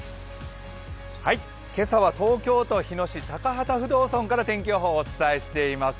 今朝は東京都日野市高幡不動尊から天気をお伝えしています。